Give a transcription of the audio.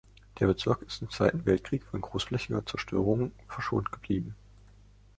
Der Bezirk ist im Zweiten Weltkrieg von großflächiger Zerstörung verschont geblieben.